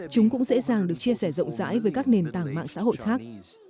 chúng cũng dễ dàng được chia sẻ rộng rãi với các nền tảng mạng xã hội khác